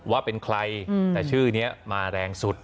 ว่าเป็นใครแต่ชื่อนี้มาแรงสุด